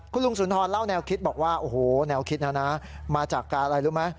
คุณลุงสุนทรเล่าแนวคิดบอกว่าโอ้โหแนวคิดนะนะมาจากการอะไรรู้ไหม